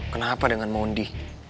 kenapa dengan mondi